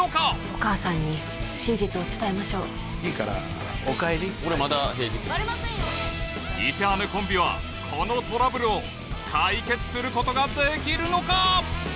お母さんに真実を伝えましょういいからお帰り俺まだ石羽コンビはこのトラブルを解決することができるのか？